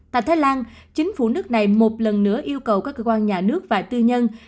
tại thái lan chính phủ nước này một lần nữa yêu cầu các cơ quan nhà nước và tư nhân